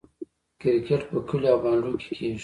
کرکټ په کلیو او بانډو کې کیږي.